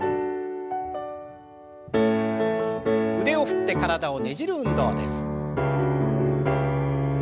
腕を振って体をねじる運動です。